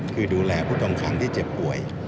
คือดูแลผู้ต้องขังที่เจ็บป่วย